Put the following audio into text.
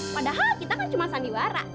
padahal kita kan cuma sandiwara